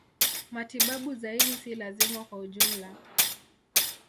Matibabu zaidi si lazima kwa ujumla.